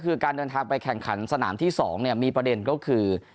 คือการเดินทางไปแข่งขันสนามที่๒มีประเด็นก็คือ